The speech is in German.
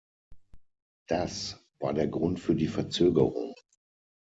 Das war der Grund für die Verzögerung.